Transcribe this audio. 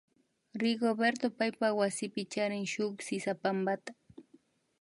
Rigoberto paypa wasipi charin shuk sisapampata